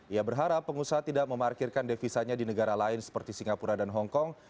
ia berharap pengusaha tidak memarkirkan devisanya di negara lain seperti singapura dan hongkong